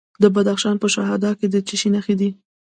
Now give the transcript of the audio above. د بدخشان په شهدا کې د څه شي نښې دي؟